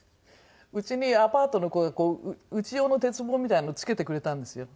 うちにアパートのこううち用の鉄棒みたいなの付けてくれたんですよ。